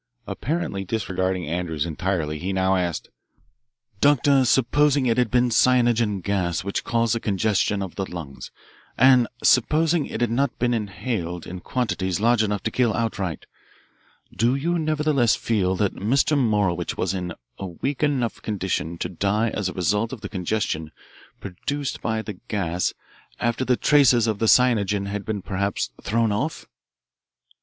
Apparently disregarding Andrews entirely, he now asked, "Doctor, supposing it had been cyanogen gas which caused the congestion of the lungs, and supposing it had not been inhaled in quantities large enough to kill outright, do you nevertheless feel that Mr. Morowitch was in a weak enough condition to die as a result of the congestion produced by the gas after the traces of the cyanogen had been perhaps thrown off?"